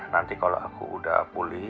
nanti kalau aku udah pulih